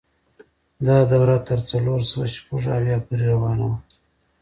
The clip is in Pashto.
دا دوره تر څلور سوه شپږ اویا پورې روانه وه.